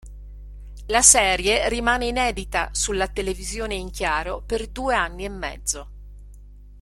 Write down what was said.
La serie rimane inedita sulla televisione in chiaro per due anni e mezzo.